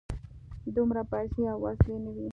دومره پیسې او وسلې نه وې.